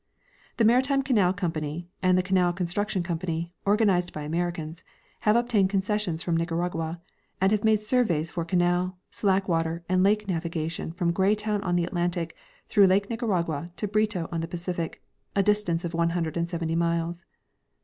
The Maritime Canal company and the Canal Construction company, organized by Americans, have obtained concessions from Nicaragua, and have made surveys for canal, slack water and lake navigation from Greytown on the Atlantic through lake Nicaragua to Brito on the Pacific, a distance of 170 miles.